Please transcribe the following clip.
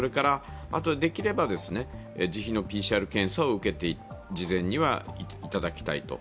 できれば、自費のＰＣＲ検査を受けて事前にはいただきたいと。